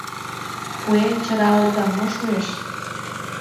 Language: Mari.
Куэ чыралыклан мо шуэш?